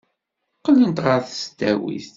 Qqlent ɣer tesdawit.